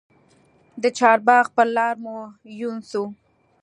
د چارباغ پر لار مو یون سو